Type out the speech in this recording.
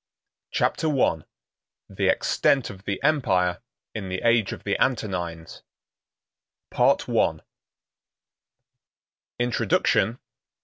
Chapter I: The Extent Of The Empire In The Age Of The Antonines—Part I. Introduction.